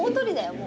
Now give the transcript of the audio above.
もう。